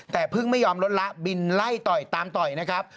แต่เพิ่งไม่ยอมลดละบินไล่ต่อยตามต่อยนะครับ